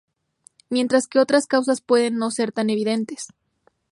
Mientras que otras causas pueden no ser tan evidentes.